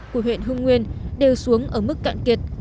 của huyện hưng nguyên đều xuống ở mức cạn kiệt